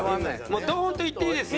もうドーンといっていいですよ。